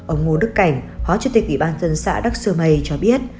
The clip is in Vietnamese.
ông ngô đức cảnh hóa chức tịch ủy ban dân xã đắc sơ mây cho biết